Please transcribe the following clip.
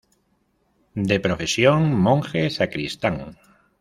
De profesión monje sacristán.